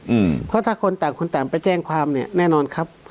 อืมเพราะถ้าคนต่างคนต่างไปแจ้งความเนี้ยแน่นอนครับ